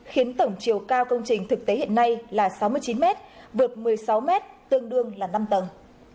khiến tổng chiều cao công trình thực tế hiện nay là sáu mươi chín m vượt một mươi sáu mét tương đương là năm tầng